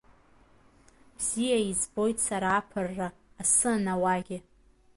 Бзиа избоит сара аԥырра асы анауагьы…